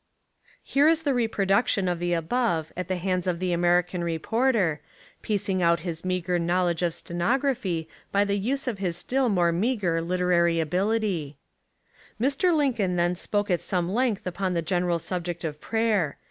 " Here Is the reproduction of the above at the hands of the American reporter, piecing out his meagre knowledge of stenography by the use of his still more meagre literary ability: "Mr. Lincoln then spoke at some length upon the gen eral subject of prayer.